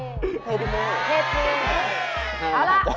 เอาล่ะ